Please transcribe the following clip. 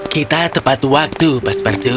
kita tepat waktu pastor patu